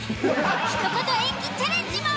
ひと言演技チャレンジも！